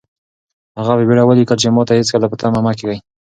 هغه په بېړه ولیکل چې ماته هېڅکله په تمه مه کېږئ.